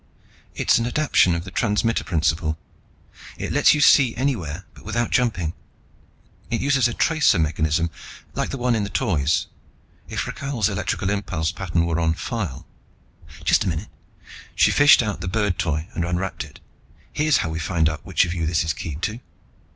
"It's an adaptation of the transmitter principle. It lets you see anywhere, but without jumping. It uses a tracer mechanism like the one in the Toys. If Rakhal's electrical impulse pattern were on file just a minute." She fished out the bird Toy and unwrapped it. "Here's how we find out which of you this is keyed to."